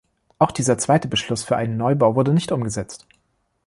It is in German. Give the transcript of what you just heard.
Auch dieser zweite Beschluss für einen Neubau wurde nicht umgesetzt.